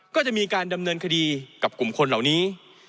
ก็จะมีการดำเนินคดีกับกลุ่มคนเหล่านี้